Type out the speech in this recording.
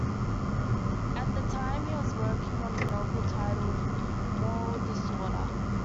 At the time he was working on a novel titled "Moral Disorder".